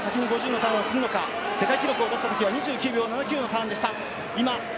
世界記録を出したときは２９秒７９のターンでした。